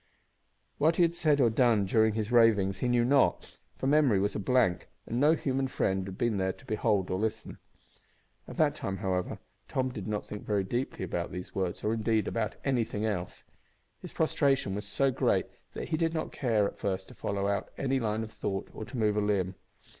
What he had said or done during his ravings he knew not, for memory was a blank, and no human friend had been there to behold or listen. At that time, however, Tom did not think very deeply about these words, or, indeed, about anything else. His prostration was so great that he did not care at first to follow out any line of thought or to move a limb.